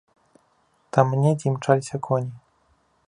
Там недзе імчаліся коні.